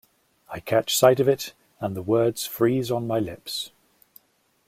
I catch sight of it, and the words freeze on my lips.